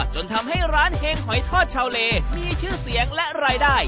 จนทำให้ร้านเฮงหอยทอดชาวเลมีชื่อเสียงและรายได้